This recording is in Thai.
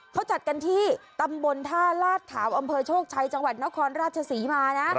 เขาจัดกันที่ตำบลท่าลาดขาวอำเภอโชคชัยจังหวัดนครราชศรีมานะ